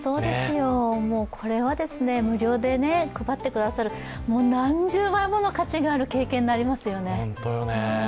これは無料で配ってくださる、何十倍もの価値がある経験になりますよね。